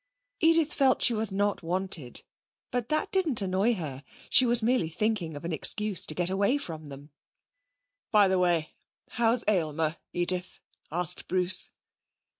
Edith felt she was not wanted. But that didn't annoy her. She was merely thinking of an excuse to get away from them. 'By the way, how's Aylmer, Edith?' asked Bruce.